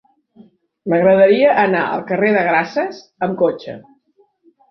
M'agradaria anar al carrer de Grases amb cotxe.